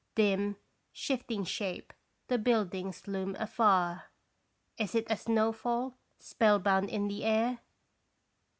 Dim, shifting shape the buildings loom afar, Is it a snowfall spellbound in the air?